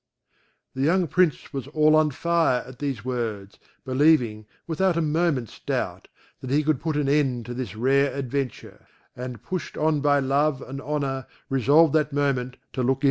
The young Prince was all on fire at these words, believing, without a moment's doubt, that he could put an end to this rare adventure; and pushed on by love and honour resolved that moment to look into it.